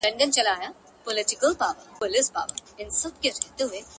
چلېدل يې په ښارونو كي حكمونه.!